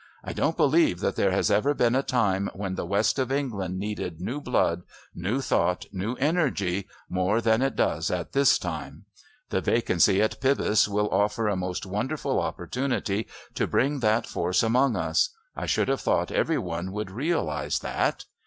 I don't believe that there has ever been a time when the west of England needed new blood, new thought, new energy more than it does at this time. The vacancy at Pybus will offer a most wonderful opportunity to bring that force among us. I should have thought every one would realise that.